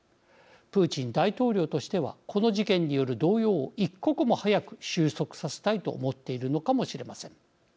プーチン大統領としてはこの事件による動揺を一刻も早く収束させたいと思っているのかもしれません。